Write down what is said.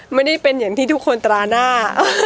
ไม่ได้เป็นอย่างที่ทุกคนตราหน้า